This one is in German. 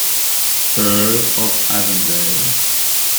Earl of Avondale.